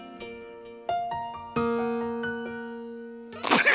フッ！